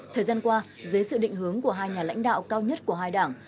thời gian qua dưới sự định hướng của hai nhà lãnh đạo cao nhất của hai đảng